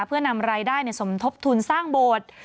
เพื่อนำรายได้สมทบทุนสร้างโบสถ์